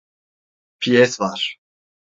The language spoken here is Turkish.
Piyes var…